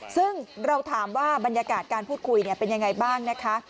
ซึ่งเราถามว่าบรรยากาศการพูดคุยเป็นยังไงบ้างนะคะ